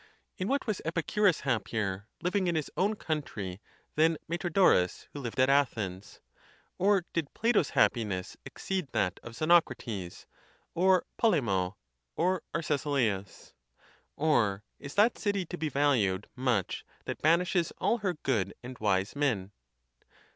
In what was Epicu rus happier, living in his own country, than Metrodorus, who lived at Athens? Or did Plato's happiness exceed that of Xenocrates, or Polemo, or Arcesilas? Or is that city to be valued much that banishes all her good and wise men?